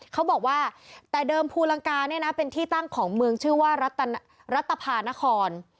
เขาบอกว่าแต่เดิมภูลังกาเนี่ยนะเป็นที่ตั้งของเมืองชื่อว่ารัฐภานคร